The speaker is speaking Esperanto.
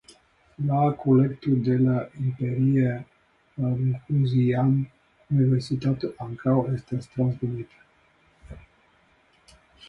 La kolekto de la imperia guzijian universitato ankaŭ estis transdonita.